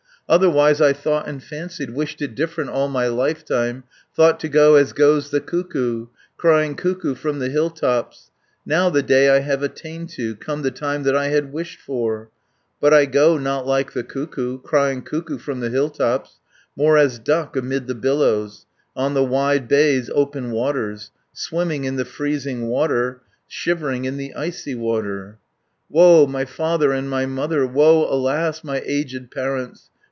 "Otherwise I thought and fancied, Wished it different, all my lifetime, Thought to go as goes the cuckoo, Crying 'Cuckoo' from the hill tops, Now the day I have attained to, Come the time that I had wished for; But I go not like the cuckoo, Crying 'Cuckoo' from the hill tops, 410 More as duck amid the billows, On the wide bay's open waters, Swimming in the freezing water, Shivering in the icy water. "Woe, my father and my mother, Woe, alas, my aged parents!